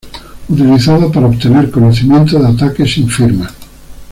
Utilizado para obtener conocimiento de ataques sin firma.